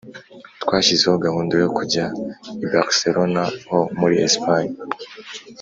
twashyizeho gahunda yo kujya i Barcelone ho muri Esipanye